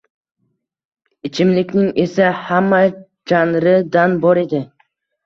Ichimlikning esa xamma “janri” dan bor edi.